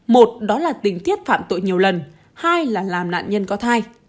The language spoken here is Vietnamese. một đó là tình tiết phạm tội nhiều lần hai là làm nạn nhân có thai